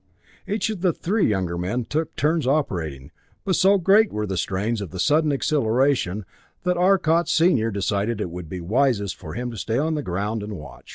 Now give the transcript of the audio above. Each of the three younger men took turns operating, but so great were the strains of the sudden acceleration, that Arcot senior decided it would be wisest for him to stay on the ground and watch.